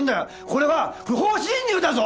これは不法侵入だぞ！